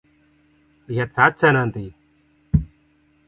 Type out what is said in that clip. Lihat saja nanti!